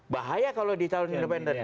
bahaya kalau di calon independen